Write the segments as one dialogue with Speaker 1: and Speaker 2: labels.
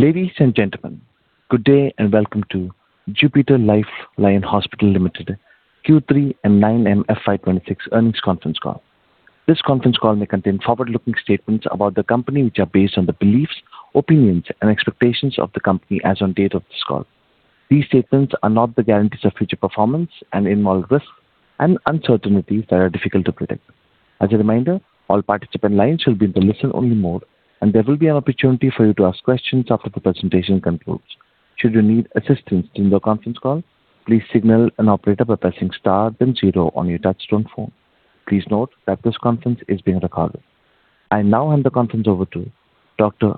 Speaker 1: Ladies and gentlemen, good day and welcome to Jupiter Life Line Hospitals Limited Q3 and 9M FY 2026 Earnings Conference Call. This conference call may contain forward-looking statements about the company which are based on the beliefs, opinions, and expectations of the company as on date of this call. These statements are not the guarantees of future performance and involve risks and uncertainties that are difficult to predict. As a reminder, all participant lines will be in the listen-only mode, and there will be an opportunity for you to ask questions after the presentation concludes. Should you need assistance during the conference call, please signal an operator by pressing star then zero on your touch-tone phone. Please note that this conference is being recorded. I now hand the conference over to Dr.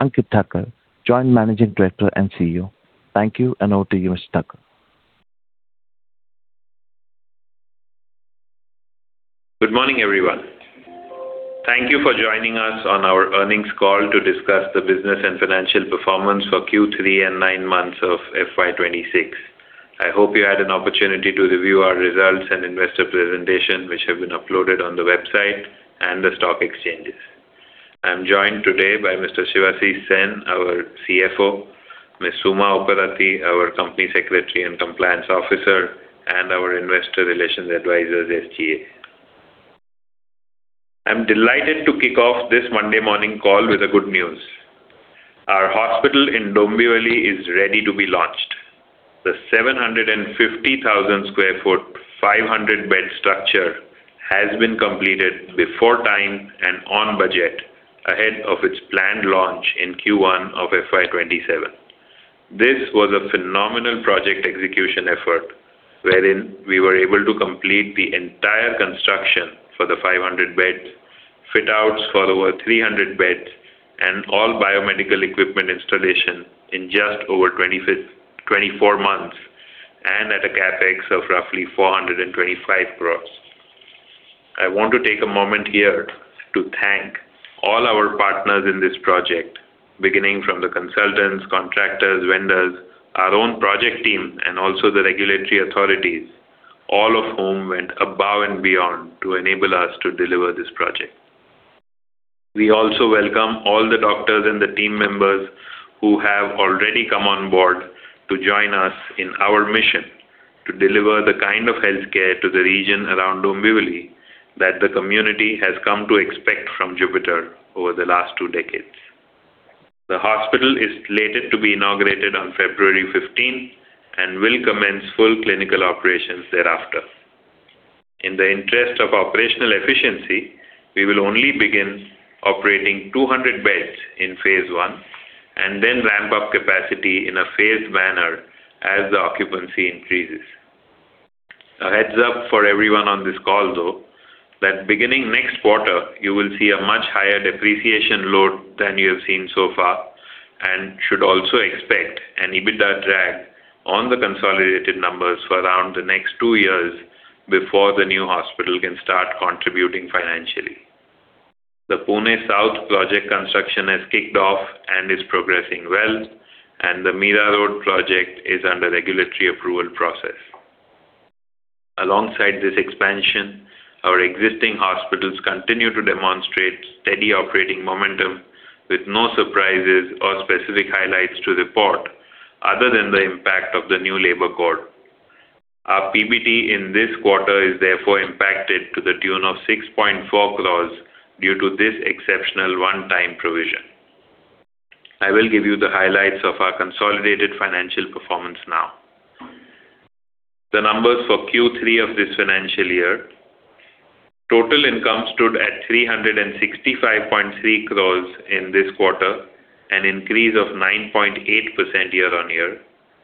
Speaker 1: Ankit Thakker, Joint Managing Director and CEO. Thank you, and over to you, Mr. Thakker.
Speaker 2: Good morning, everyone. Thank you for joining us on our earnings call to discuss the business and financial performance for Q3 and nine months of FY 2026. I hope you had an opportunity to review our results and investor presentation which have been uploaded on the website and the stock exchanges. I'm joined today by Mr. Shivanand Sen, our CFO, Ms. Suma Upparatti, our company secretary and compliance officer, and our investor relations advisor, SGA. I'm delighted to kick off this Monday morning call with good news. Our hospital in Dombivli is ready to be launched. The 750,000 sq ft, 500-bed structure has been completed before time and on budget ahead of its planned launch in Q1 of FY 2026. This was a phenomenal project execution effort wherein we were able to complete the entire construction for the 500-bed fit-outs for over 300 beds and all biomedical equipment installation in just over 24 months and at a CapEx of roughly 425 crores. I want to take a moment here to thank all our partners in this project, beginning from the consultants, contractors, vendors, our own project team, and also the regulatory authorities, all of whom went above and beyond to enable us to deliver this project. We also welcome all the doctors and the team members who have already come on board to join us in our mission to deliver the kind of healthcare to the region around Dombivli that the community has come to expect from Jupiter over the last two decades. The hospital is slated to be inaugurated on February 15 and will commence full clinical operations thereafter. In the interest of operational efficiency, we will only begin operating 200 beds in phase one and then ramp up capacity in a phased manner as the occupancy increases. A heads-up for everyone on this call, though, that beginning next quarter you will see a much higher depreciation load than you have seen so far and should also expect an EBITDA drag on the consolidated numbers for around the next two years before the new hospital can start contributing financially. The Pune South project construction has kicked off and is progressing well, and the Mira Road project is under regulatory approval process. Alongside this expansion, our existing hospitals continue to demonstrate steady operating momentum with no surprises or specific highlights to report other than the impact of the new labor code. Our PBT in this quarter is therefore impacted to the tune of 6.4 crores due to this exceptional one-time provision. I will give you the highlights of our consolidated financial performance now. The numbers for Q3 of this financial year: total income stood at 365.3 crores in this quarter, an increase of 9.8% year-over-year.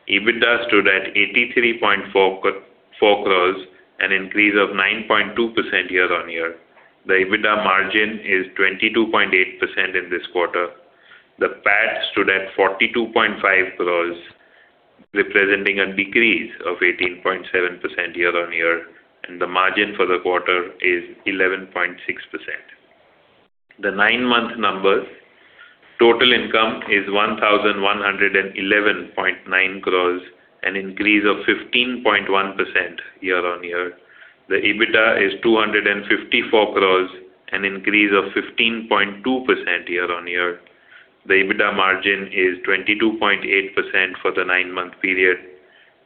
Speaker 2: EBITDA stood at 83.4 crores, an increase of 9.2% year-over-year. The EBITDA margin is 22.8% in this quarter. The PAT stood at 42.5 crores, representing a decrease of 18.7% year-over-year, and the margin for the quarter is 11.6%. The 9-month numbers: total income is 1,111.9 crores, an increase of 15.1% year-over-year. The EBITDA is 254 crores, an increase of 15.2% year-over-year. The EBITDA margin is 22.8% for the 9-month period.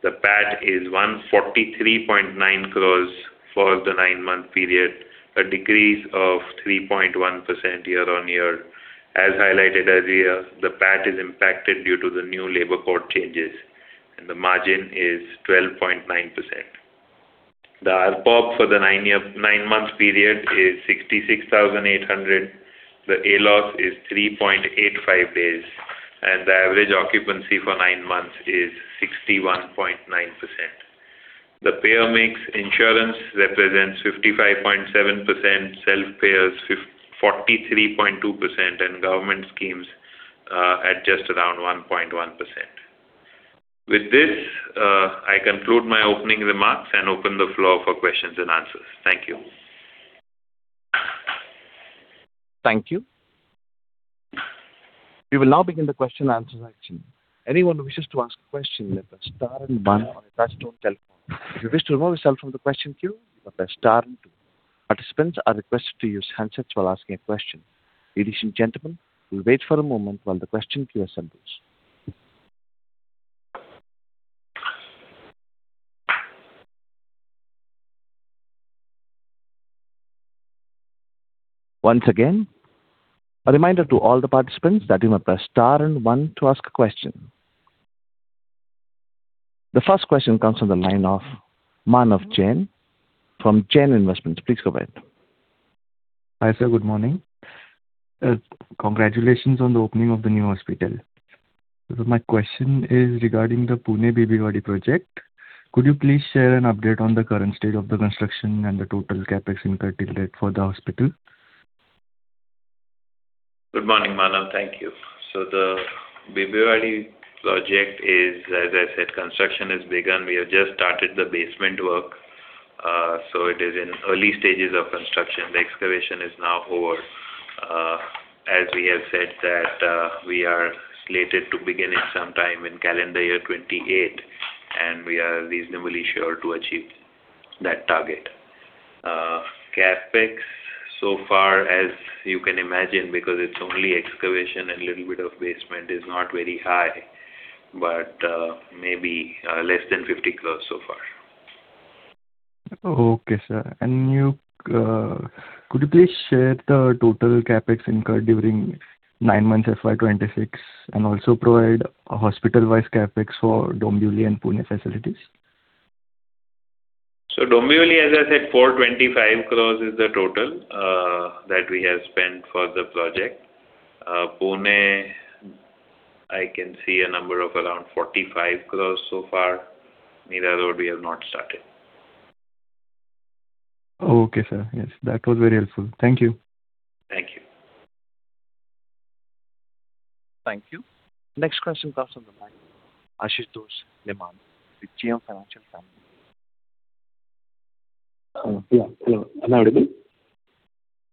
Speaker 2: The PAT is 143.9 crores for the 9-month period, a decrease of 3.1% year-over-year. As highlighted earlier, the PAT is impacted due to the new labor code changes, and the margin is 12.9%. The ARPOB for the 9-month period is 66,800. The ALOS is 3.85 days, and the average occupancy for nine months is 61.9%. The payer mix: insurance represents 55.7%, self-payers 43.2%, and government schemes at just around 1.1%. With this, I conclude my opening remarks and open the floor for questions and answers. Thank you.
Speaker 1: Thank you. We will now begin the question-and-answer section. Anyone who wishes to ask a question will press star and one on your touch-tone telephone. If you wish to remove yourself from the question queue, you will press star and two. Participants are requested to use handsets while asking a question. Ladies and gentlemen, we'll wait for a moment while the question queue assembles. Once again, a reminder to all the participants that you must press star and one to ask a question. The first question comes from the line of Manav Jain from Jain Investments. Please go ahead.
Speaker 3: Hi, sir. Good morning. Congratulations on the opening of the new hospital. My question is regarding the Pune Bibwewadi project. Could you please share an update on the current state of the construction and the total CapEx incurred till date for the hospital?
Speaker 2: Good morning, Manav. Thank you. So the Bibwewadi project is, as I said, construction has begun. We have just started the basement work, so it is in early stages of construction. The excavation is now over. As we have said, we are slated to begin in some time in calendar year 2028, and we are reasonably sure to achieve that target. CapEx, so far as you can imagine, because it's only excavation and a little bit of basement, is not very high, but maybe less than 50 crore so far.
Speaker 3: Okay, sir. Could you please share the total CapEx incurred during 9 months FY 2026 and also provide a hospital-wise CapEx for Dombivli and Pune facilities?
Speaker 2: Dombivli, as I said, 425 crore is the total that we have spent for the project. Pune, I can see a number of around 45 crore so far. Mira Road, we have not started.
Speaker 3: Okay, sir. Yes, that was very helpful. Thank you.
Speaker 2: Thank you.
Speaker 1: Thank you. Next question comes from Ashutosh Nemani, the JM Financial Family Office.
Speaker 4: Yeah. Hello. Am I audible?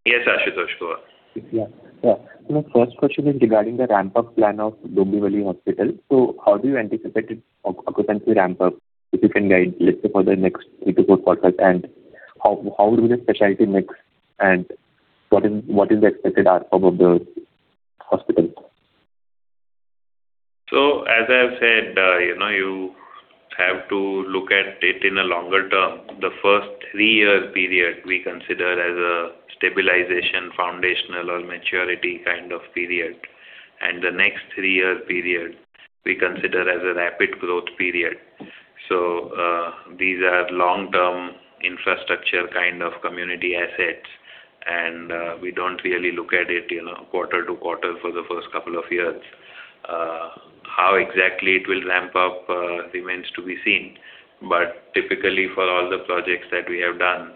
Speaker 2: Yes, Ashutosh. Go ahead.
Speaker 4: Yeah. Yeah. My first question is regarding the ramp-up plan of Dombivli Hospital. How do you anticipate its occupancy ramp-up, if you can guide, let's say, for the next 3-4 quarters? And how would the specialty mix, and what is the expected ARPOB of the hospital?
Speaker 2: So as I have said, you have to look at it in a longer term. The first 3-year period we consider as a stabilization, foundational, or maturity kind of period, and the next 3-year period we consider as a rapid growth period. So these are long-term infrastructure kind of community assets, and we don't really look at it quarter-to-quarter for the first couple of years. How exactly it will ramp up remains to be seen, but typically, for all the projects that we have done,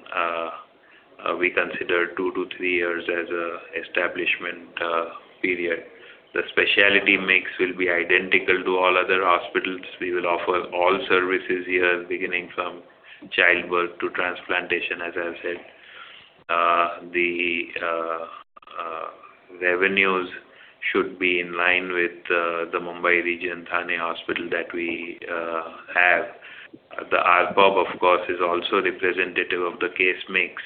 Speaker 2: we consider 2-3 years as an establishment period. The specialty mix will be identical to all other hospitals. We will offer all services here, beginning from childbirth to transplantation, as I have said. The revenues should be in line with the Mumbai region Thane Hospital that we have. The ARPOB, of course, is also representative of the case mix.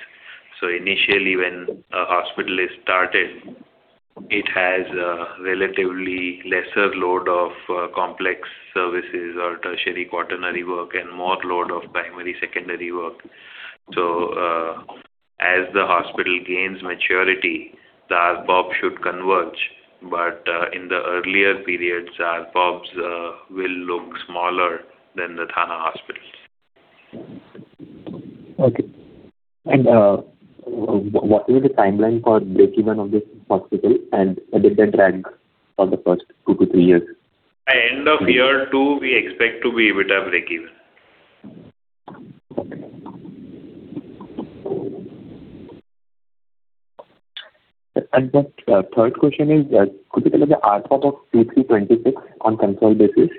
Speaker 2: Initially, when a hospital is started, it has a relatively lesser load of complex services or tertiary quaternary work and more load of primary secondary work. As the hospital gains maturity, the ARPOB should converge, but in the earlier periods, ARPOBs will look smaller than the Thane Hospitals.
Speaker 4: Okay. What is the timeline for break-even of this hospital, and a bit of a drag for the first 2-3 years?
Speaker 2: By end of year 2, we expect to be a bit of break-even.
Speaker 4: Okay. The third question is, could you tell me the ARPOB of Q3 2026 on consolidated basis?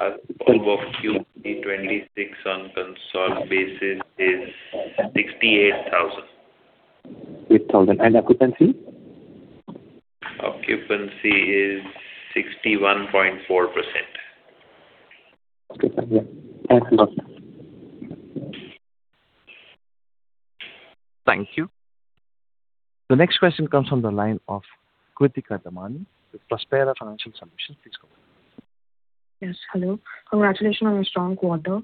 Speaker 2: ARPOB of Q3 2026 on consolidated basis is 68,000.
Speaker 4: 8,000. And occupancy?
Speaker 2: Occupancy is 61.4%.
Speaker 4: Okay, sir. Yeah. Thank you very much.
Speaker 1: Thank you. The next question comes from the line of Kritika Damani, Prospera Financial Solutions. Please go ahead.
Speaker 5: Yes. Hello. Congratulations on your strong quarter.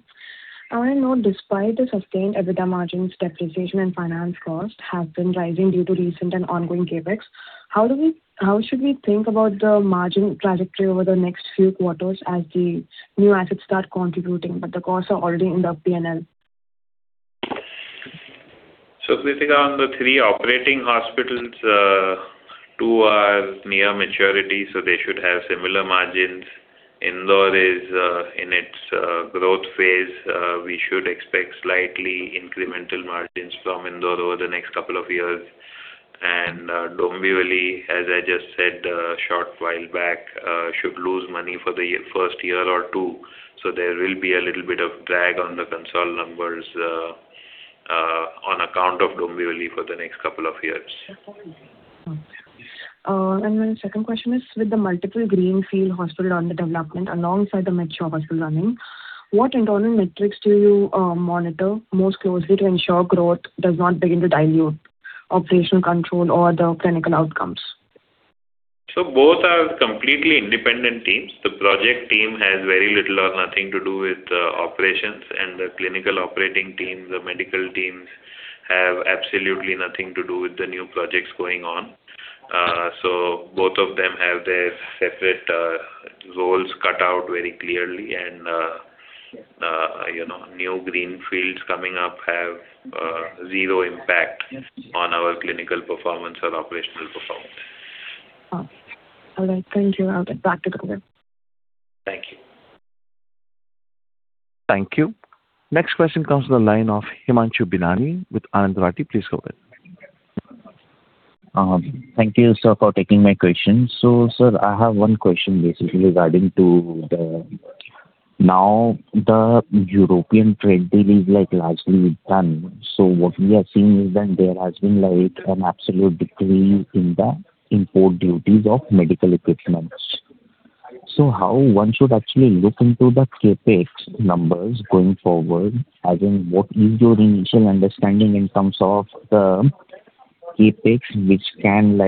Speaker 5: I want to note, despite the sustained EBITDA margins, depreciation, and finance costs have been rising due to recent and ongoing CapEx, how should we think about the margin trajectory over the next few quarters as the new assets start contributing, but the costs are already in the P&L?
Speaker 2: So we think on the three operating hospitals, two are near maturity, so they should have similar margins. Indore is in its growth phase. We should expect slightly incremental margins from Indore over the next couple of years. Dombivli, as I just said a short while back, should lose money for the first year or two, so there will be a little bit of drag on the consolidated numbers on account of Dombivli for the next couple of years.
Speaker 5: My second question is, with the multiple greenfield hospital on the development alongside the mature hospital running, what internal metrics do you monitor most closely to ensure growth does not begin to dilute operational control or the clinical outcomes?
Speaker 2: So both are completely independent teams. The project team has very little or nothing to do with operations, and the clinical operating team, the medical teams have absolutely nothing to do with the new projects going on. So both of them have their separate roles cut out very clearly, and new greenfields coming up have zero impact on our clinical performance or operational performance.
Speaker 5: Okay. All right. Thank you. I'll get back to Google.
Speaker 2: Thank you.
Speaker 1: Thank you. Next question comes from the line of Himanshu Binani with Anand Rathi. Please go ahead.
Speaker 6: Thank you, sir, for taking my question. So, sir, I have one question, basically, regarding to now, the European trade deal is largely done, so what we are seeing is that there has been an absolute decrease in the import duties of medical equipment. So how one should actually look into the CapEx numbers going forward, as in what is your initial understanding in terms of the CapEx which can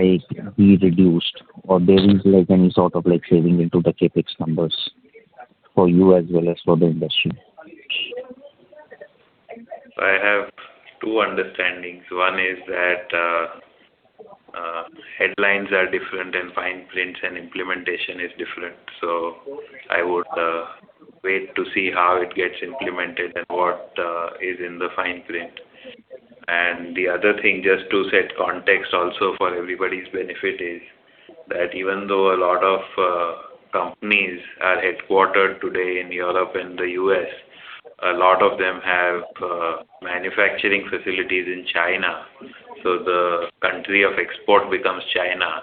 Speaker 6: be reduced, or there is any sort of saving into the CapEx numbers for you as well as for the industry?
Speaker 2: I have two understandings. One is that headlines are different, and fine prints and implementation is different, so I would wait to see how it gets implemented and what is in the fine print. The other thing, just to set context also for everybody's benefit, is that even though a lot of companies are headquartered today in Europe and the U.S., a lot of them have manufacturing facilities in China, so the country of export becomes China,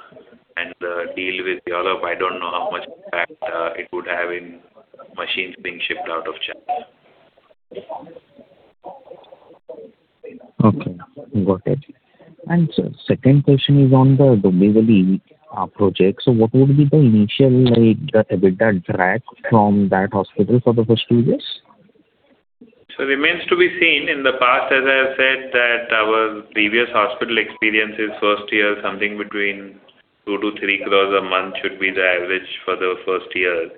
Speaker 2: and the deal with Europe, I don't know how much impact it would have in machines being shipped out of China.
Speaker 6: Okay. Got it. And the second question is on the Dombivli project. So what would be the initial EBITDA drag from that hospital for the first two years?
Speaker 2: It remains to be seen. In the past, as I have said, that our previous hospital experience is first year, something between 2 crore-3 crore a month should be the average for the first year.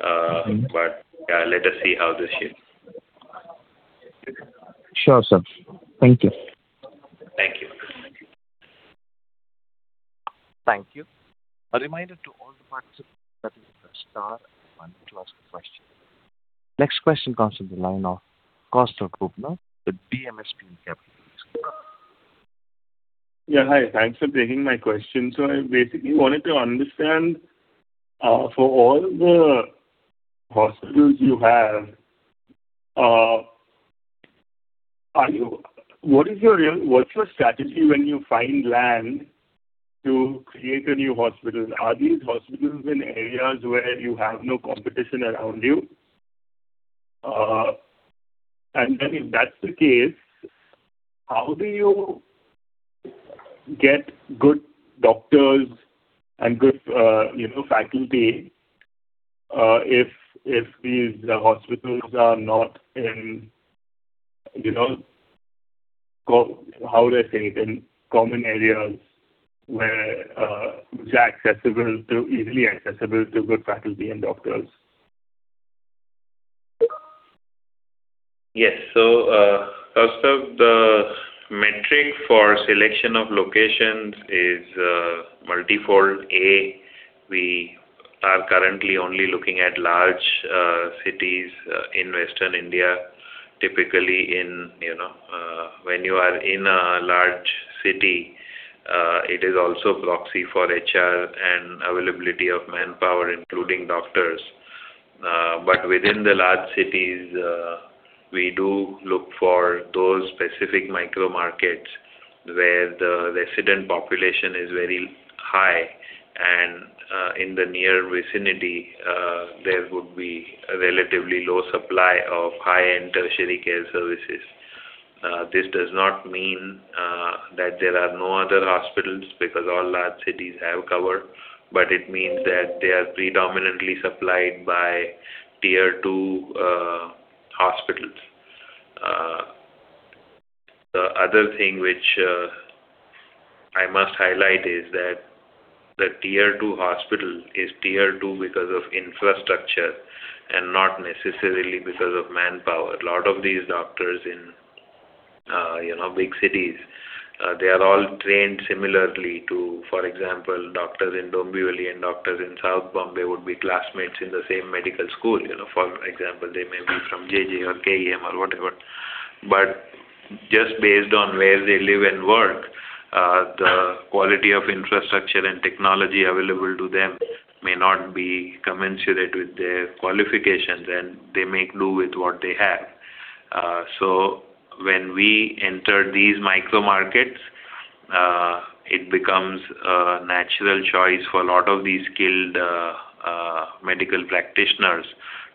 Speaker 2: Yeah, let us see how this shifts.
Speaker 6: Sure, sir. Thank you.
Speaker 2: Thank you.
Speaker 1: Thank you. A reminder to all the participants that you press star and one to ask a question. Next question comes from the line of Kaustav Bubna with BMSPL Capitals. Please go ahead.
Speaker 7: Yeah. Hi. Thanks for taking my question. So I basically wanted to understand, for all the hospitals you have, what is your strategy when you find land to create a new hospital? Are these hospitals in areas where you have no competition around you? And then if that's the case, how do you get good doctors and good faculty if these hospitals are not in, how would I say it, in common areas which are easily accessible to good faculty and doctors?
Speaker 2: Yes. So first of all, the metric for selection of locations is multi-fold. A. We are currently only looking at large cities in Western India, typically in. When you are in a large city, it is also a proxy for HR and availability of manpower, including doctors. But within the large cities, we do look for those specific micro-markets where the resident population is very high, and in the near vicinity, there would be a relatively low supply of high-end tertiary care services. This does not mean that there are no other hospitals because all large cities have cover, but it means that they are predominantly supplied by tier-two hospitals. The other thing which I must highlight is that the tier-two hospital is tier-two because of infrastructure and not necessarily because of manpower. A lot of these doctors in big cities, they are all trained similarly to, for example, doctors in Dombivli and doctors in South Bombay would be classmates in the same medical school. For example, they may be from JJ or KEM or whatever. But just based on where they live and work, the quality of infrastructure and technology available to them may not be commensurate with their qualifications, and they make do with what they have. So when we enter these micro-markets, it becomes a natural choice for a lot of these skilled medical practitioners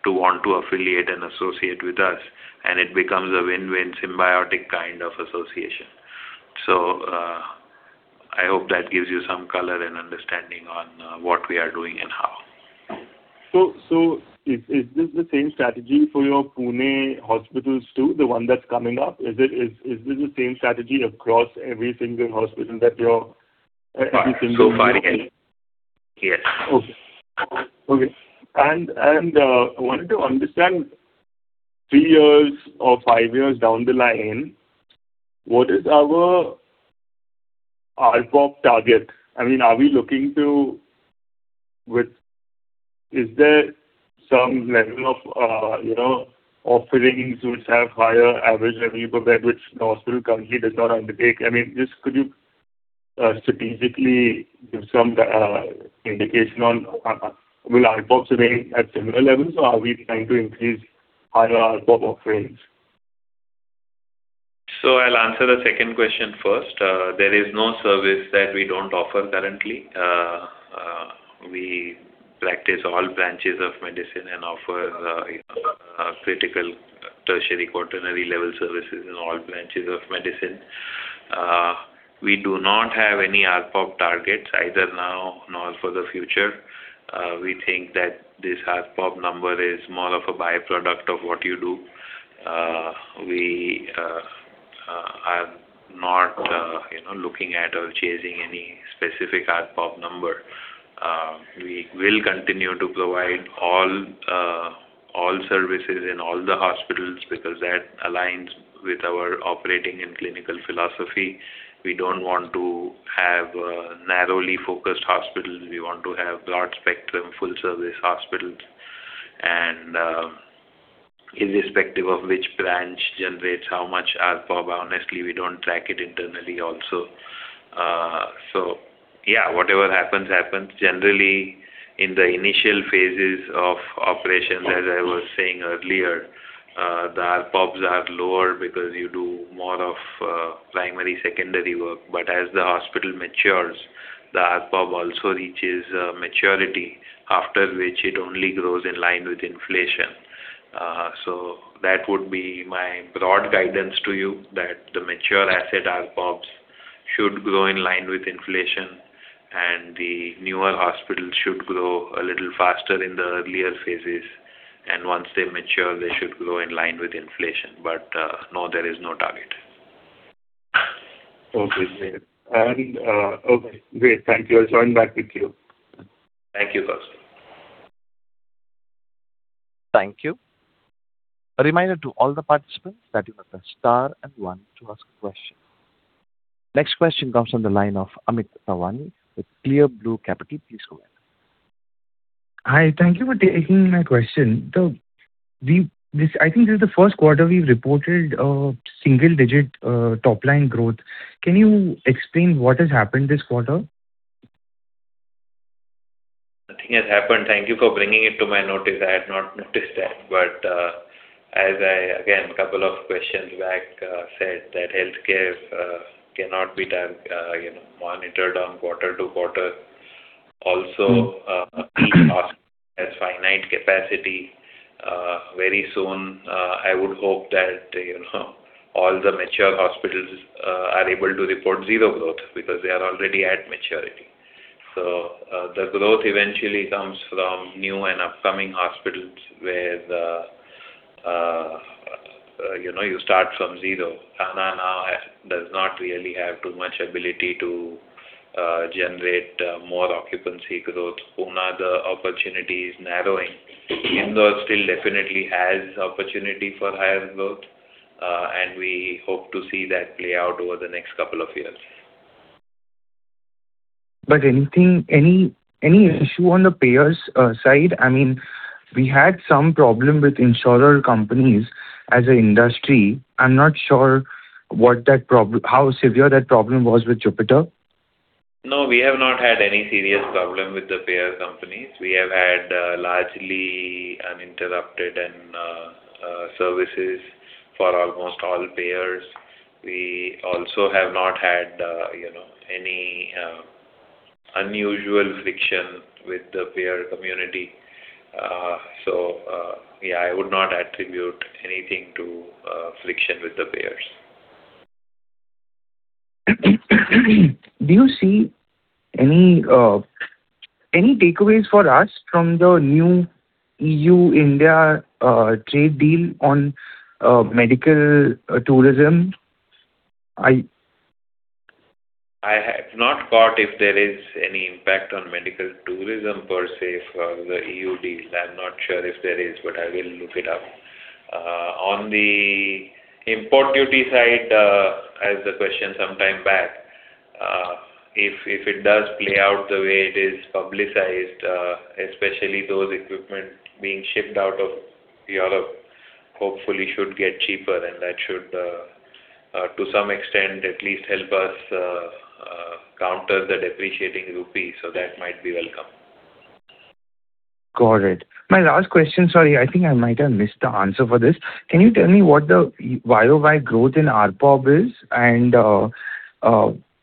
Speaker 2: to want to affiliate and associate with us, and it becomes a win-win symbiotic kind of association. So I hope that gives you some color and understanding on what we are doing and how.
Speaker 7: Is this the same strategy for your Pune hospitals too, the one that's coming up? Is this the same strategy across every single hospital that you're every single year?
Speaker 2: So far, yes.
Speaker 7: Okay. Okay. I wanted to understand, three years or five years down the line, what is our ARPOB target? I mean, are we looking to with is there some level of offerings which have higher average revenue per bed, which the hospital currently does not undertake? I mean, just could you strategically give some indication on will ARPOBs remain at similar levels, or are we trying to increase higher ARPOB offerings?
Speaker 2: So I'll answer the second question first. There is no service that we don't offer currently. We practice all branches of medicine and offer critical tertiary quaternary-level services in all branches of medicine. We do not have any ARPOB targets, either now nor for the future. We think that this ARPOB number is more of a byproduct of what you do. We are not looking at or chasing any specific ARPOB number. We will continue to provide all services in all the hospitals because that aligns with our operating and clinical philosophy. We don't want to have narrowly focused hospitals. We want to have broad-spectrum, full-service hospitals. And irrespective of which branch generates how much ARPOB, honestly, we don't track it internally also. So yeah, whatever happens, happens. Generally, in the initial phases of operations, as I was saying earlier, the ARPOBs are lower because you do more of primary secondary work. But as the hospital matures, the ARPOB also reaches maturity, after which it only grows in line with inflation. So that would be my broad guidance to you, that the mature asset ARPOBs should grow in line with inflation, and the newer hospitals should grow a little faster in the earlier phases. And once they mature, they should grow in line with inflation. But no, there is no target.
Speaker 7: Okay. Okay. Great. Thank you. I'll join back with you.
Speaker 2: Thank you, Kaustav.
Speaker 1: Thank you. A reminder to all the participants that you press star and one to ask a question. Next question comes from the line of Amit Thawani with Clear Blue Capital. Please go ahead.
Speaker 8: Hi. Thank you for taking my question. So I think this is the Q1 we've reported single-digit top-line growth. Can you explain what has happened this quarter?
Speaker 2: Nothing has happened. Thank you for bringing it to my notice. I had not noticed that. But as I, again, a couple of questions back said, that healthcare cannot be monitored on quarter-to-quarter. Also, each hospital has finite capacity. Very soon, I would hope that all the mature hospitals are able to report zero growth because they are already at maturity. So the growth eventually comes from new and upcoming hospitals where you start from zero. Thane now does not really have too much ability to generate more occupancy growth. Pune, the opportunity is narrowing. Indore still definitely has opportunity for higher growth, and we hope to see that play out over the next couple of years.
Speaker 8: Any issue on the payer's side? I mean, we had some problem with insurer companies as an industry. I'm not sure how severe that problem was with Jupiter.
Speaker 2: No, we have not had any serious problem with the payer companies. We have had largely uninterrupted services for almost all payers. We also have not had any unusual friction with the payer community. So yeah, I would not attribute anything to friction with the payers.
Speaker 8: Do you see any takeaways for us from the new EU-India trade deal on medical tourism?
Speaker 2: I have not caught if there is any impact on medical tourism per se from the EU deal. I'm not sure if there is, but I will look it up. On the import duty side, as the question sometime back, if it does play out the way it is publicized, especially those equipment being shipped out of Europe, hopefully, should get cheaper, and that should, to some extent, at least help us counter the depreciating rupee. So that might be welcome.
Speaker 8: Got it. My last question, sorry, I think I might have missed the answer for this. Can you tell me what the YOY growth in ARPOB is? And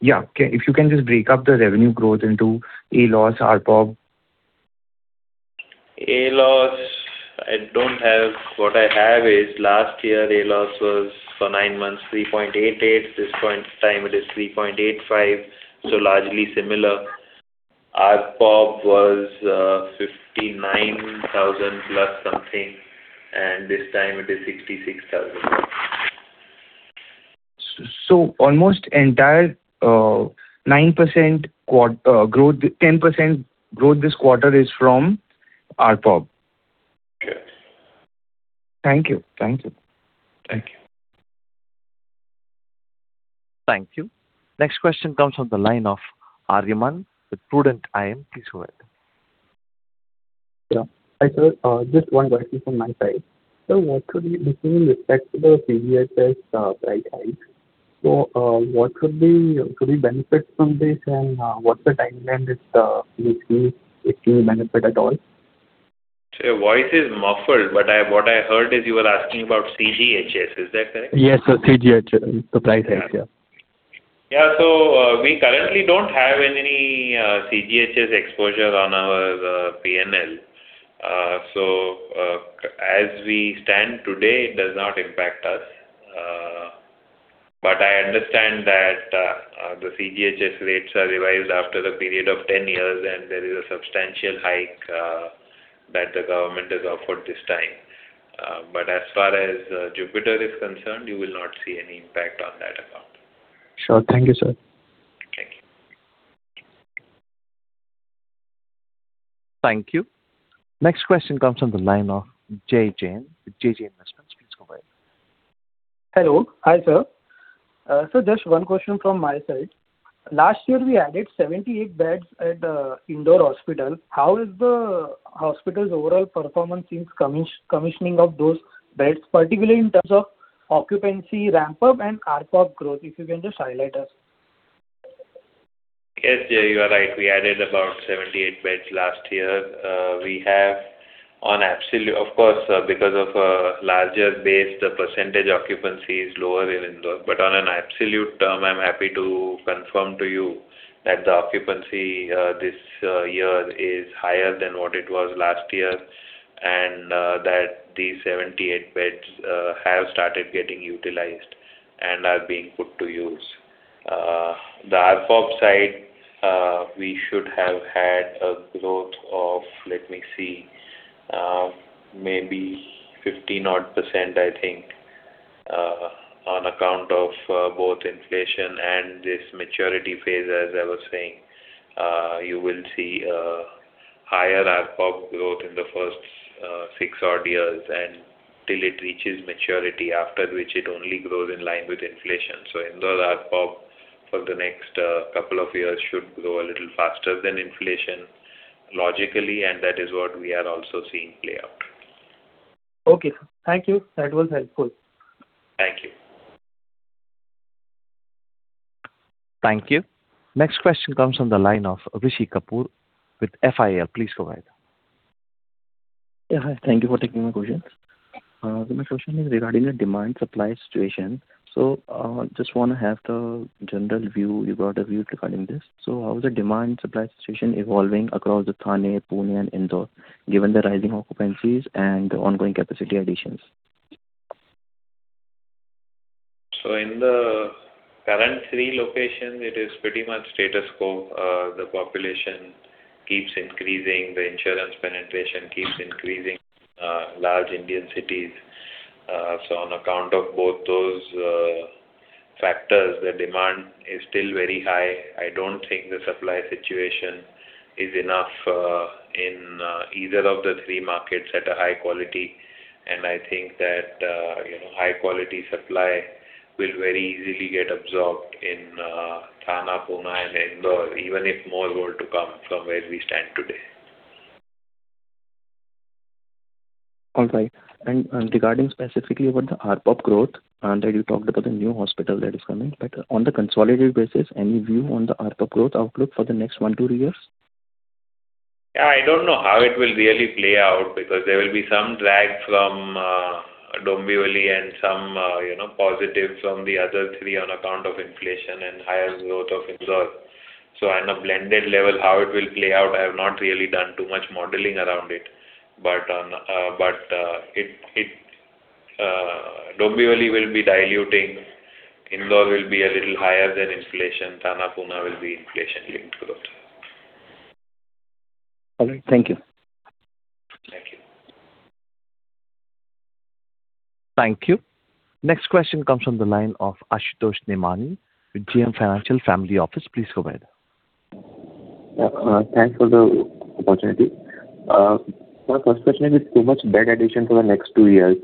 Speaker 8: yeah, if you can just break up the revenue growth into ALOS, ARPOB.
Speaker 2: ALOS, I don't have what I have is last year, ALOS was for 9 months 3.88. This point in time, it is 3.85, so largely similar. ARPOB was 59,000+ something, and this time, it is 66,000+.
Speaker 8: Almost entire 9%-10% growth this quarter is from ARPOB?
Speaker 2: Okay.
Speaker 8: Thank you. Thank you.
Speaker 1: Thank you. Thank you. Next question comes from the line of Aryaman with Prudent IM. Please go ahead.
Speaker 9: Yeah. Hi, sir. Just one question from my side. So what should we do with respect to the CGHS price hike? So what should we benefit from this, and what's the timeline if we see it can benefit at all?
Speaker 2: So your voice is muffled, but what I heard is you were asking about CGHS. Is that correct?
Speaker 9: Yes. So CGHS, the price hikes. Yeah.
Speaker 2: Yeah. So we currently don't have any CGHS exposure on our PNL. So as we stand today, it does not impact us. But I understand that the CGHS rates are revised after a period of 10 years, and there is a substantial hike that the government has offered this time. But as far as Jupiter is concerned, you will not see any impact on that account.
Speaker 9: Sure. Thank you, sir.
Speaker 2: Thank you.
Speaker 1: Thank you. Next question comes from the line of J.J. with J.J. Investments. Please go ahead.
Speaker 10: Hello. Hi, sir. Just one question from my side. Last year, we added 78 beds at the Indore Hospital. How is the hospital's overall performance since commissioning of those beds, particularly in terms of occupancy, ramp-up, and ARPOB growth, if you can just highlight us?
Speaker 2: Yes, Jay, you are right. We added about 78 beds last year. Of course, because of a larger base, the percentage occupancy is lower in Indore. But on an absolute term, I'm happy to confirm to you that the occupancy this year is higher than what it was last year and that these 78 beds have started getting utilized and are being put to use. The ARPOB side, we should have had a growth of, let me see, maybe 15-odd%, I think, on account of both inflation and this maturity phase. As I was saying, you will see higher ARPOB growth in the first 6-odd years, and till it reaches maturity, after which it only grows in line with inflation. So Indore ARPOB, for the next couple of years, should grow a little faster than inflation, logically, and that is what we are also seeing play out.
Speaker 10: Okay. Thank you. That was helpful.
Speaker 2: Thank you.
Speaker 1: Thank you. Next question comes from the line of Rishi Kapoor with FIL. Please go ahead.
Speaker 11: Yeah. Hi. Thank you for taking my questions. So my question is regarding the demand-supply situation. So I just want to have the general view. You got a view regarding this. So how is the demand-supply situation evolving across the Thane, Pune, and Indore, given the rising occupancies and the ongoing capacity additions?
Speaker 2: In the current three locations, it is pretty much status quo. The population keeps increasing. The insurance penetration keeps increasing in large Indian cities. So on account of both those factors, the demand is still very high. I don't think the supply situation is enough in either of the three markets at a high quality. I think that high-quality supply will very easily get absorbed in Thane, Pune, and Indore, even if more were to come from where we stand today.
Speaker 11: All right. Regarding specifically about the ARPOB growth, that you talked about the new hospital that is coming, but on the consolidated basis, any view on the ARPOB growth outlook for the next 1-2 years?
Speaker 2: Yeah. I don't know how it will really play out because there will be some drag from Dombivli and some positive from the other three on account of inflation and higher growth of Indore. So on a blended level, how it will play out, I have not really done too much modeling around it. But Dombivli will be diluting. Indore will be a little higher than inflation. Thane, Pune will be inflation-linked growth.
Speaker 11: All right. Thank you.
Speaker 2: Thank you.
Speaker 1: Thank you. Next question comes from the line of Ashutosh Nemani with JM Financial Family Office. Please go ahead.
Speaker 4: Yeah. Thanks for the opportunity. My first question is, with too much bed addition for the next two years,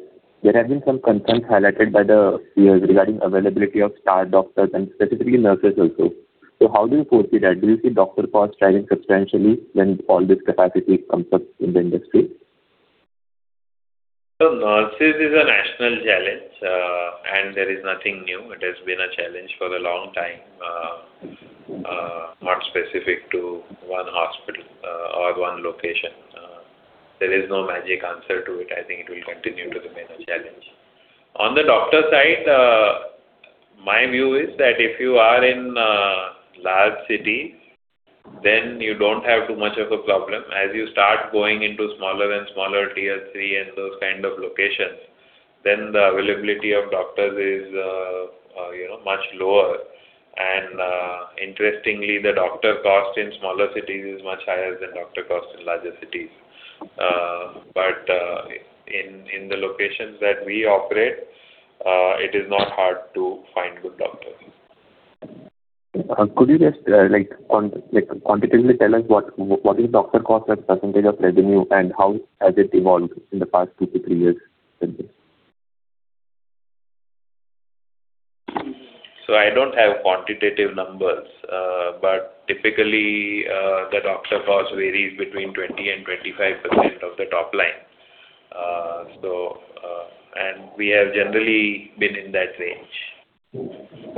Speaker 4: there have been some concerns highlighted by the peers regarding availability of star doctors and specifically nurses also. So how do you foresee that? Do you see doctor costs driving substantially when all this capacity comes up in the industry?
Speaker 2: So nursing is a national challenge, and there is nothing new. It has been a challenge for a long time, not specific to one hospital or one location. There is no magic answer to it. I think it will continue to remain a challenge. On the doctor side, my view is that if you are in large cities, then you don't have too much of a problem. As you start going into smaller and smaller tier three and those kind of locations, then the availability of doctors is much lower. And interestingly, the doctor cost in smaller cities is much higher than doctor cost in larger cities. But in the locations that we operate, it is not hard to find good doctors.
Speaker 4: Could you just quantitatively tell us what is doctor cost as a percentage of revenue, and how has it evolved in the past 2 to 3 years?
Speaker 2: I don't have quantitative numbers, but typically, the doctor cost varies between 20%-25% of the top line. We have generally been in that range.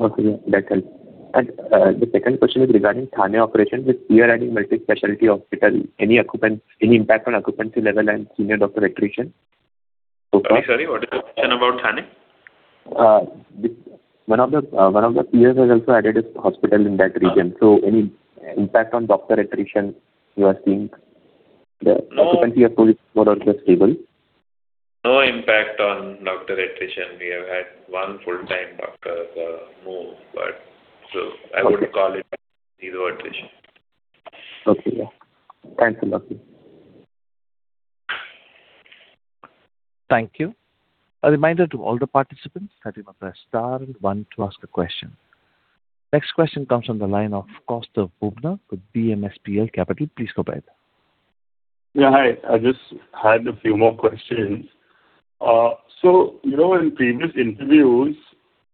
Speaker 4: Okay. That helps. The second question is regarding Thane operation with peer-adding multi-specialty hospital. Any impact on occupancy level and senior doctor attrition so far?
Speaker 2: Sorry. What is the question about Thane?
Speaker 4: One of the peers has also added a hospital in that region. So any impact on doctor attrition you are seeing? The occupancy of those is more or less stable?
Speaker 2: No impact on doctor attrition. We have had one full-time doctor move, but so I wouldn't call it zero attrition.
Speaker 4: Okay. Yeah. Thanks a lot, sir.
Speaker 1: Thank you. A reminder to all the participants that you must press star and one to ask a question. Next question comes from the line of Kaustubh Rupna with B&K Securities. Please go ahead.
Speaker 7: Yeah. Hi. I just had a few more questions. So in previous interviews,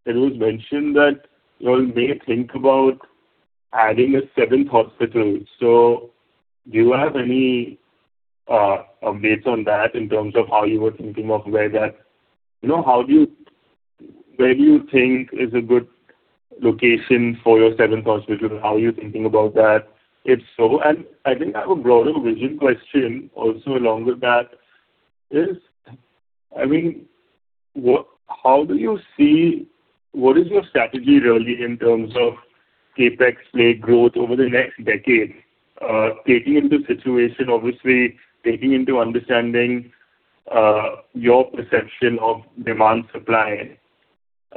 Speaker 7: it was mentioned that you all may think about adding a seventh hospital. So do you have any updates on that in terms of how you were thinking of where that where do you think is a good location for your seventh hospital? How are you thinking about that? If so, and I think I have a broader vision question also along with that is, I mean, how do you see what is your strategy really in terms of CapEx-related growth over the next decade, taking into situation obviously, taking into understanding your perception of demand-supply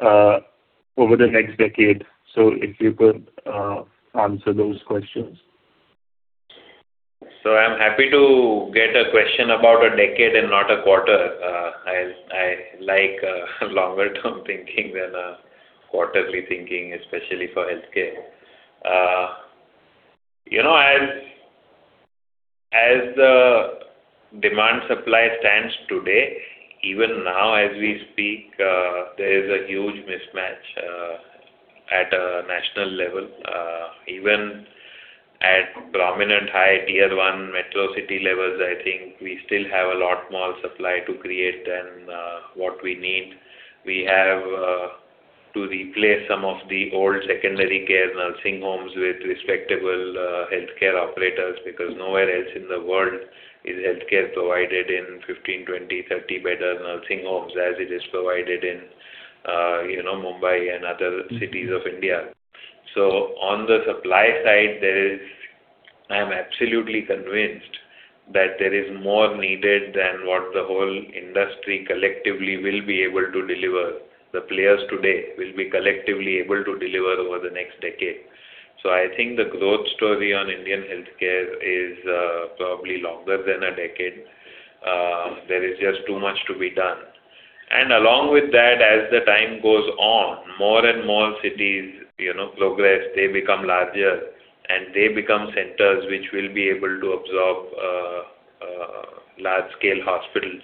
Speaker 7: over the next decade? So if you could answer those questions.
Speaker 2: So I'm happy to get a question about a decade and not a quarter. I like longer-term thinking than quarterly thinking, especially for healthcare. As the demand-supply stands today, even now as we speak, there is a huge mismatch at a national level. Even at prominent high tier one metro city levels, I think we still have a lot more supply to create than what we need. We have to replace some of the old secondary care nursing homes with respectable healthcare operators because nowhere else in the world is healthcare provided in 15, 20, 30-bedder nursing homes as it is provided in Mumbai and other cities of India. So on the supply side, I am absolutely convinced that there is more needed than what the whole industry collectively will be able to deliver. The players today will be collectively able to deliver over the next decade. So I think the growth story on Indian healthcare is probably longer than a decade. There is just too much to be done. And along with that, as the time goes on, more and more cities progress. They become larger, and they become centers which will be able to absorb large-scale hospitals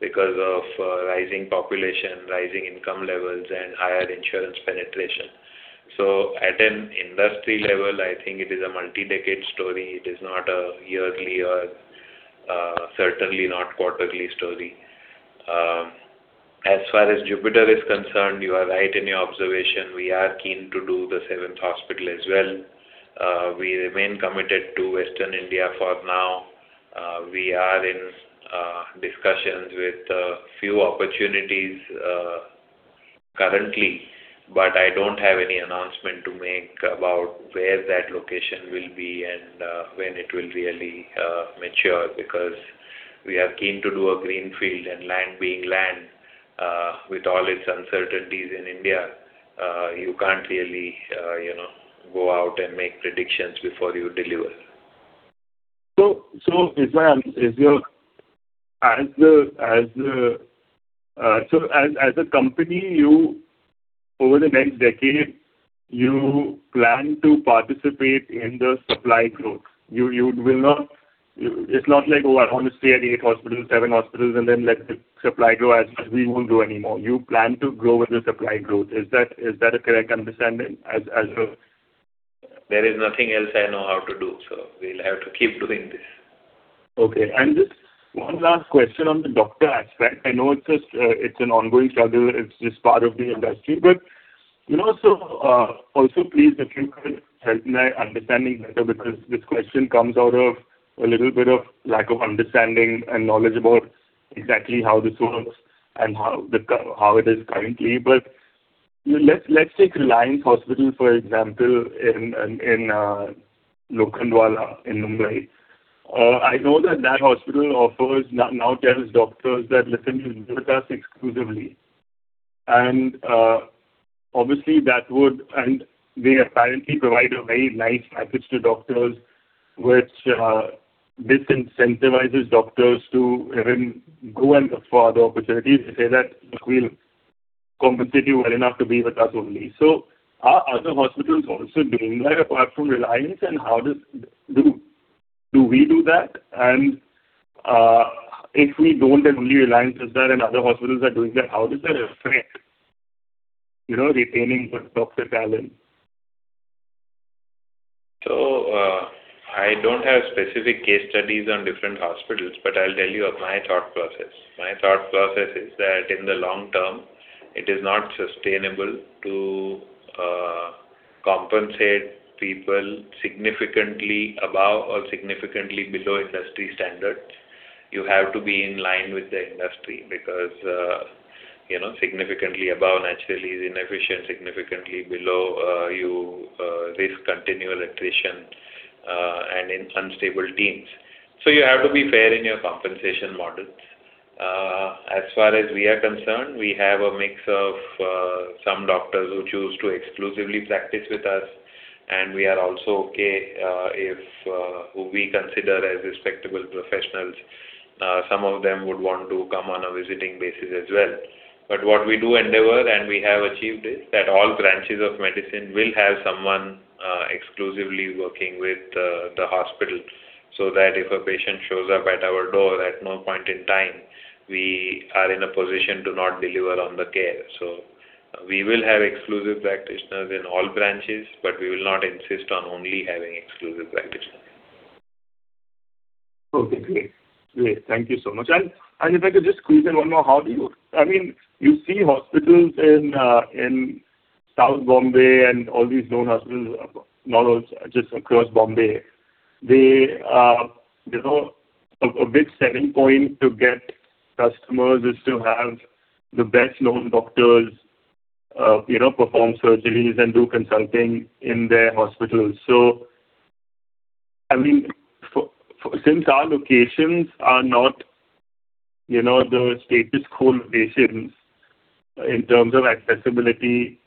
Speaker 2: because of rising population, rising income levels, and higher insurance penetration. So at an industry level, I think it is a multi-decade story. It is not a yearly or certainly not quarterly story. As far as Jupiter is concerned, you are right in your observation. We are keen to do the seventh hospital as well. We remain committed to Western India for now. We are in discussions with a few opportunities currently, but I don't have any announcement to make about where that location will be and when it will really mature because we are keen to do a greenfield, and land being land, with all its uncertainties in India, you can't really go out and make predictions before you deliver.
Speaker 7: So if I understand, as a company, over the next decade, you plan to participate in the supply growth. It's not like, "Oh, I want to stay at eight hospitals, seven hospitals, and then let the supply grow as much. We won't grow anymore." You plan to grow with the supply growth. Is that a correct understanding as a?
Speaker 2: There is nothing else I know how to do, so we'll have to keep doing this.
Speaker 7: Okay. And just one last question on the doctor aspect. I know it's an ongoing struggle. It's just part of the industry. But also, please, if you could help me understanding better because this question comes out of a little bit of lack of understanding and knowledge about exactly how this works and how it is currently. But let's take Reliance Hospital, for example, in Lokhandwala in Mumbai. I know that that hospital now tells doctors that, "Listen, you'll do with us exclusively." And obviously, that would and they apparently provide a very nice package to doctors, which disincentivizes doctors to even go and look for other opportunities and say that, "Look, we'll compensate you well enough to be with us only." So are other hospitals also doing that apart from Reliance? And how do we do that? If we don't and only Reliance does that and other hospitals are doing that, how does that affect retaining doctor talent?
Speaker 2: So I don't have specific case studies on different hospitals, but I'll tell you of my thought process. My thought process is that in the long term, it is not sustainable to compensate people significantly above or significantly below industry standards. You have to be in line with the industry because significantly above, naturally, is inefficient. Significantly below, you risk continual attrition and unstable teams. So you have to be fair in your compensation models. As far as we are concerned, we have a mix of some doctors who choose to exclusively practice with us, and we are also okay if who we consider as respectable professionals, some of them would want to come on a visiting basis as well. But what we do endeavor and we have achieved is that all branches of medicine will have someone exclusively working with the hospital so that if a patient shows up at our door at no point in time, we are in a position to not deliver on the care. So we will have exclusive practitioners in all branches, but we will not insist on only having exclusive practitioners.
Speaker 7: Okay. Great. Great. Thank you so much. And if I could just squeeze in one more, how do you I mean, you see hospitals in South Bombay and all these known hospitals, not all, just across Bombay. A big selling point to get customers is to have the best-known doctors perform surgeries and do consulting in their hospitals. So I mean, since our locations are not the status quo locations in terms of accessibility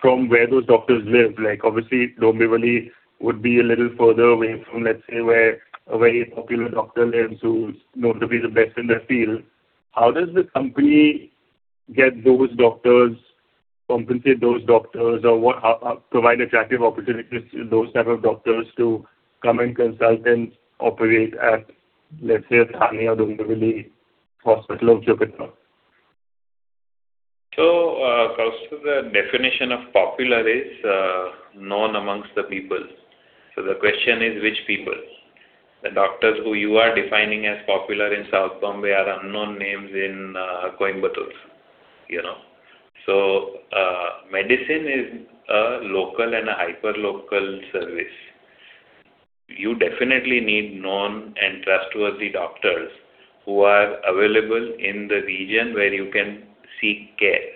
Speaker 7: from where those doctors live, obviously, Dombivli would be a little further away from, let's say, where a very popular doctor lives who's known to be the best in their field, how does the company get those doctors, compensate those doctors, or provide attractive opportunities to those type of doctors to come and consult and operate at, let's say, a Thane or Dombivli Hospital of Jupiter?
Speaker 2: So the definition of popular is known among the people. So the question is which people? The doctors who you are defining as popular in South Bombay are unknown names in Coimbatore. So medicine is a local and a hyperlocal service. You definitely need known and trustworthy doctors who are available in the region where you can seek care.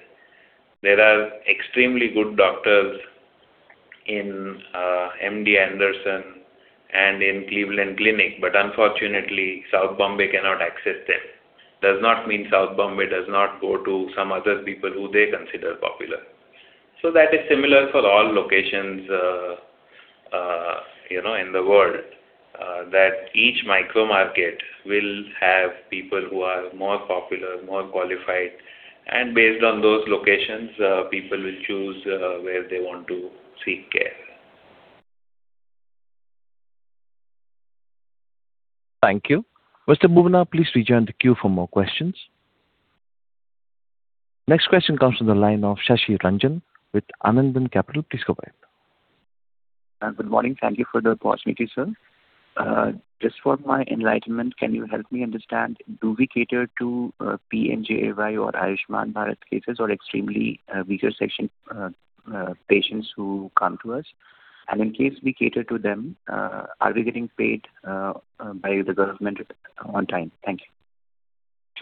Speaker 2: There are extremely good doctors in MD Anderson and in Cleveland Clinic, but unfortunately, South Bombay cannot access them. Does not mean South Bombay does not go to some other people who they consider popular. So that is similar for all locations in the world, that each micro-market will have people who are more popular, more qualified. And based on those locations, people will choose where they want to seek care.
Speaker 1: Thank you. Mr. Bubna, please rejoin the queue for more questions. Next question comes from the line of Shashi Ranjan with Anandan Capital. Please go ahead.
Speaker 12: Good morning. Thank you for the opportunity, sir. Just for my enlightenment, can you help me understand, do we cater to PMJAY or Ayushman Bharat cases or extremely weaker-section patients who come to us? And in case we cater to them, are we getting paid by the government on time? Thank you.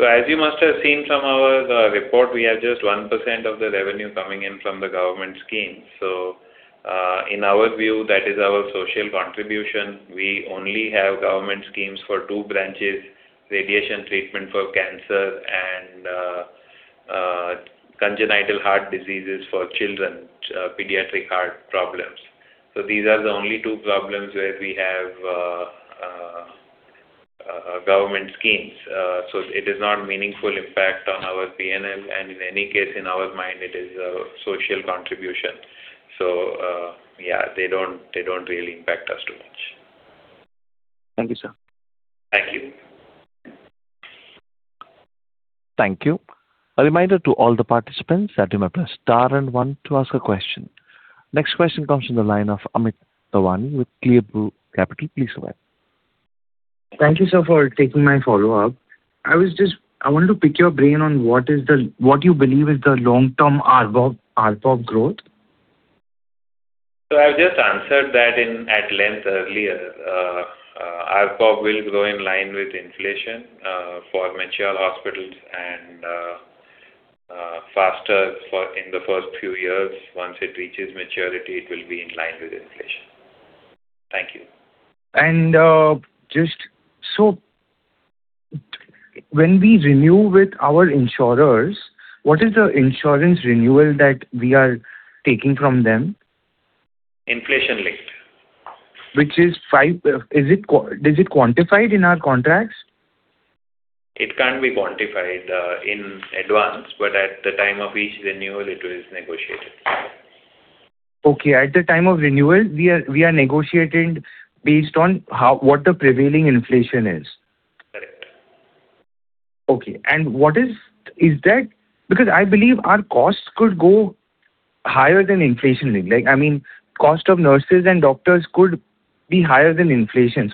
Speaker 2: As you must have seen from our report, we have just 1% of the revenue coming in from the government scheme. In our view, that is our social contribution. We only have government schemes for two branches: radiation treatment for cancer and congenital heart diseases for children, pediatric heart problems. These are the only two problems where we have government schemes. It is not meaningful impact on our PNL, and in any case, in our mind, it is a social contribution. Yeah, they don't really impact us too much.
Speaker 12: Thank you, sir.
Speaker 2: Thank you.
Speaker 1: Thank you. A reminder to all the participants that you must press star and one to ask a question. Next question comes from the line of Amit Thawani with Clear Blue Capital. Please go ahead.
Speaker 8: Thank you, sir, for taking my follow-up. I wanted to pick your brain on what you believe is the long-term ARPOB growth.
Speaker 2: I've just answered that at length earlier. ARPOB will grow in line with inflation for mature hospitals and faster in the first few years. Once it reaches maturity, it will be in line with inflation. Thank you.
Speaker 8: When we renew with our insurers, what is the insurance renewal that we are taking from them?
Speaker 2: Inflation-linked.
Speaker 8: Which is 5? Is it quantified in our contracts?
Speaker 2: It can't be quantified in advance, but at the time of each renewal, it is negotiated.
Speaker 8: Okay. At the time of renewal, we are negotiating based on what the prevailing inflation is.
Speaker 2: Correct.
Speaker 8: Okay. And is that because I believe our costs could go higher than inflation-linked? I mean, cost of nurses and doctors could be higher than inflation.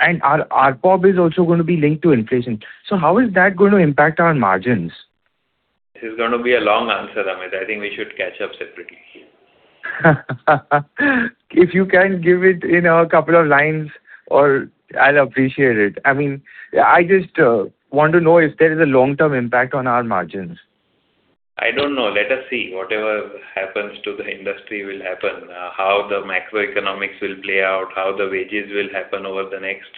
Speaker 8: And RPOB is also going to be linked to inflation. So how is that going to impact our margins?
Speaker 2: This is going to be a long answer, Amit. I think we should catch up separately.
Speaker 8: If you can give it in a couple of lines, I'll appreciate it. I mean, I just want to know if there is a long-term impact on our margins.
Speaker 2: I don't know. Let us see. Whatever happens to the industry will happen, how the macroeconomics will play out, how the wages will happen over the next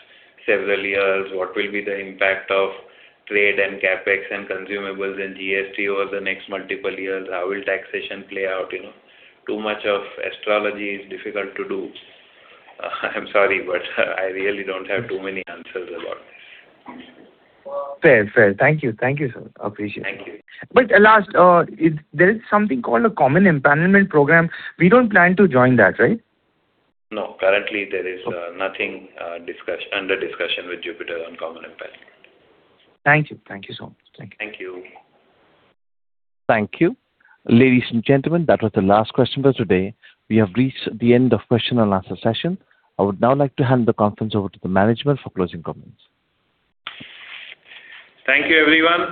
Speaker 2: several years, what will be the impact of trade and CapEx and consumables and GST over the next multiple years, how will taxation play out. Too much of astrology is difficult to do. I'm sorry, but I really don't have too many answers about this.
Speaker 8: Fair, fair. Thank you. Thank you, sir. Appreciate it.
Speaker 2: Thank you.
Speaker 8: But last, there is something called a Common Empanelment Program. We don't plan to join that, right?
Speaker 2: No. Currently, there is nothing under discussion with Jupiter on Common Empowerment.
Speaker 8: Thank you. Thank you so much. Thank you.
Speaker 2: Thank you.
Speaker 1: Thank you. Ladies and gentlemen, that was the last question for today. We have reached the end of question-and-answer session. I would now like to hand the conference over to the management for closing comments.
Speaker 2: Thank you, everyone.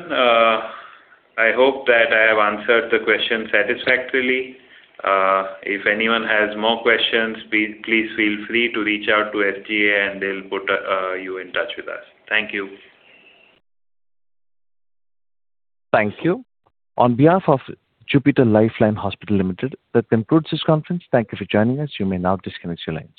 Speaker 2: I hope that I have answered the questions satisfactorily. If anyone has more questions, please feel free to reach out to SGA, and they'll put you in touch with us. Thank you.
Speaker 1: Thank you. On behalf of Jupiter Life Line Hospitals Limited, that concludes this conference. Thank you for joining us. You may now disconnect your lines.